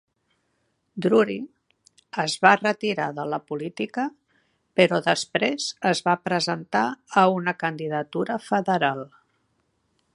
Drury es va retirar de la política, però després es va presentar a una candidatura federal.